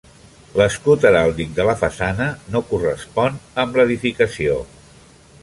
L'escut heràldic de la façana no correspon amb l'edificació.